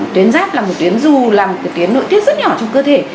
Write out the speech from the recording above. tuyến giáp là một tuyến dù là một tuyến nội tiết rất nhỏ trong cơ thể